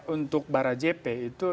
untuk barajepi itu